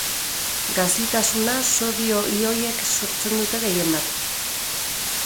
Gazitasuna sodio ioiek sortzen dute gehien bat.